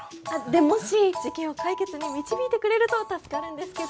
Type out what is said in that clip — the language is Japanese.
でもし事件を解決に導いてくれると助かるんですけど。